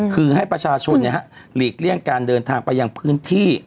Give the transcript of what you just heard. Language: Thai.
คือให้ประชาชนหลีกเลี่ยงการเดินทางไปยังพื้นที่